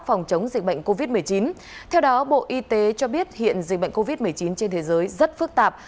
phòng chống dịch bệnh covid một mươi chín theo đó bộ y tế cho biết hiện dịch bệnh covid một mươi chín trên thế giới rất phức tạp